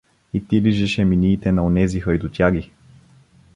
И ти лижеш еминиите на онези хайдутяги!